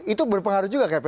itu berpengaruh juga kep